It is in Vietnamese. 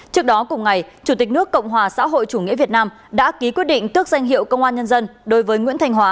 trước đó cùng ngày chủ tịch nước cộng hòa xã hội chủ nghĩa việt nam đã ký quyết định tước danh hiệu công an nhân dân đối với nguyễn thanh hóa